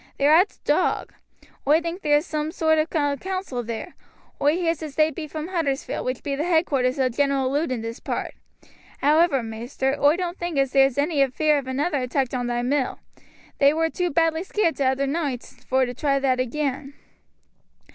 They're at t' Dog. Oi thinks there's soom sort ov a council there. Oi heers as they be from Huddersfield, which be the headquarters o' General Lud in this part. However, maister, oi doan't think as there's any fear of another attack on thy mill; they war too badly scaared t'other noight vor to try that again."